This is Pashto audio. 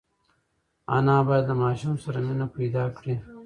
انا باید له ماشوم سره مینه وکړي.